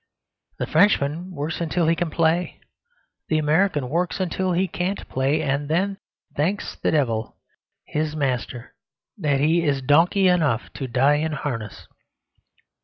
The Frenchman works until he can play. The American works until he can't play; and then thanks the devil, his master, that he is donkey enough to die in harness.